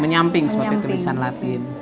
menyamping seperti tulisan latin